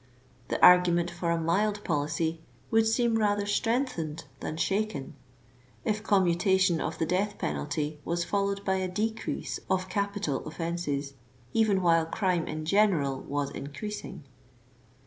The argument for a mild policy would seem rather strengthened than shaken, if commutation of the death penalty was followed by a decrease of capital offenses even while crime in gen eral was increasing.